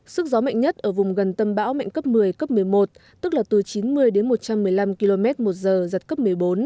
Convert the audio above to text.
sức gió mạnh nhất ở vùng gần tâm bão mạnh cấp một mươi cấp một mươi một tức là từ chín mươi đến một trăm một mươi năm km một giờ giật cấp một mươi bốn